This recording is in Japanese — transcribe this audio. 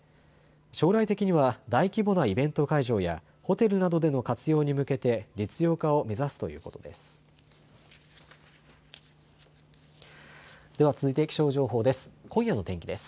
将来的には大規模なイベント会場やホテルなどでの活用に向けて実用化を目指すということです。